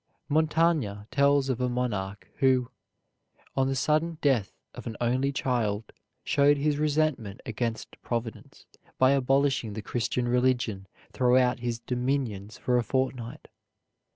Montaigne tells of a monarch who, on the sudden death of an only child, showed his resentment against Providence by abolishing the Christian religion throughout his dominions for a fortnight.